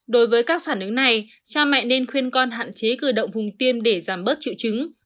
đối với các phản ứng này cha mẹ nên khuyên con hạn chế cử động vùng tiêm để giảm bớt triệu chứng